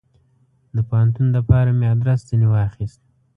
د پوهنتون دپاره مې ادرس ځني واخیست.